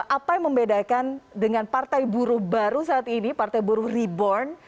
apa yang membedakan dengan partai buruh baru saat ini partai buruh reborn